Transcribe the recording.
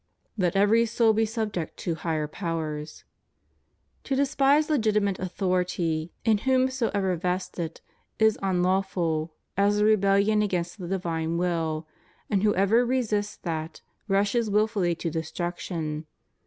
Let every soul be subject to higher powers} To despise legitimate authority, in whomsoever vested, is unlawful, as a rebeUion against the divine will, and whoever resists that, rushes wilfully to destruction.